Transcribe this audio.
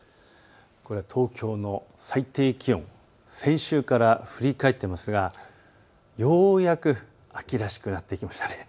これは東京の最低気温、先週から振り返っていますがようやく秋らしくなってきましたね。